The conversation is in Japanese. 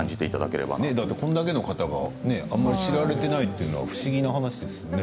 これだけの方があまり知られていないというのは不思議な話ですよね。